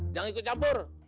jangan ikut campur